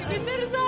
bibi diirim aja bibi